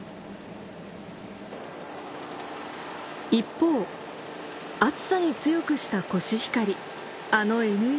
一方暑さに強くしたコシヒカリあのＮＵ